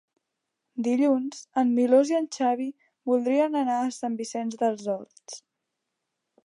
Dilluns en Milos i en Xavi voldrien anar a Sant Vicenç dels Horts.